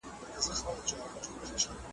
یوه بل ته چي طبیب سي د زاړه پرهار حبیب سي .